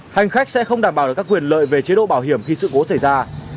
hành khách sẽ không đảm bảo được các quyền lợi về chế độ bảo hiểm khi sự cố xảy ra